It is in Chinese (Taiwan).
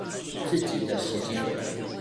自己的時間